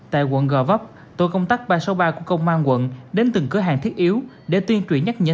tại quận gò vấp tổ công tác ba trăm sáu mươi ba của công an tp hcm đến từng cửa hàng thiết yếu để tuyên truyền nhắc nhận